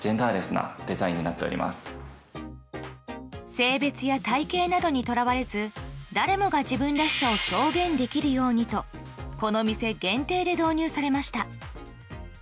性別や体形などに捉われず誰もが自分らしさを表現できるようにとこの店限定で導入されました。